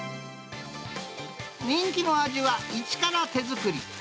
人気の味は一から手作り。